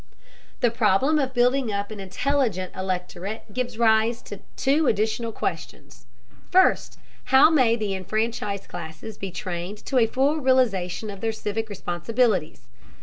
The problem of building up an intelligent electorate gives rise to two additional questions: First, how may the enfranchised classes be trained to a full realization of their civic responsibilities?